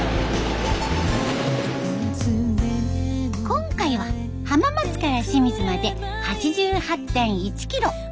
今回は浜松から清水まで８８．１キロ。